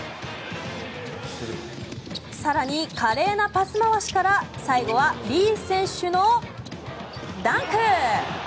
更に、華麗なパス回しから最後はリース選手のダンク！